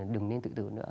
đừng nên tự tử nữa